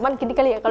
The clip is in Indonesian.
tanpa kalah ya